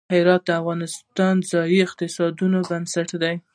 هرات د افغانستان د ځایي اقتصادونو بنسټ دی.